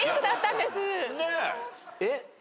えっ？